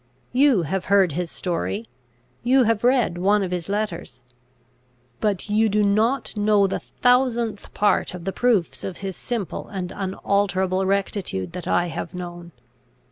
You have heard his story; you have read one of his letters. But you do not know the thousandth part of the proofs of his simple and unalterable rectitude that I have known.